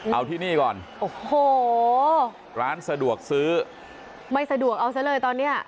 เอาที่นี่ก่อนโอ้โหร้านสะดวกซื้อไม่สะดวกเอาซะเลยตอนนี้